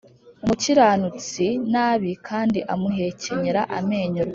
Umukiranutsi nabi kandi amuhekenyera amenyo